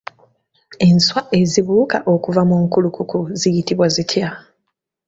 Enswa ezibuuka okuva mu nkulukuku ziyitibwa zitya?